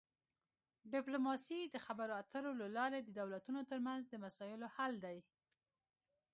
ډیپلوماسي د خبرو اترو له لارې د دولتونو ترمنځ د مسایلو حل کول دي